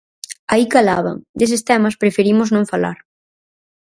Aí calaban, deses temas preferimos non falar.